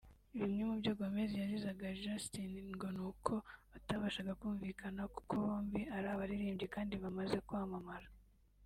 Bimwe mu byo Gomez yazizaga Justin ngo ni uko batabashaga kumvikana kuko bombi ari abaririmbyi kandi bamaze kwamamara